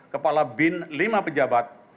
kepala bin lima pejabat